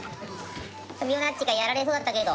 未央奈ッチがやられそうだったけど。